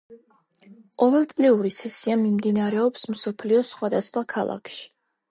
ყოველწლიური სესია მიმდინარეობს მსოფლიოს სხვადასხვა ქალაქში.